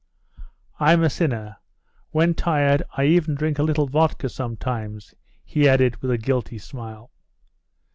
"I'm a sinner, when tired I even drink a little vodka sometimes," he added, with a guilty smile.